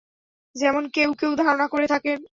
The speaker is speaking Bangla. যেমন কেউ কেউ ধারণা করে থাকেন।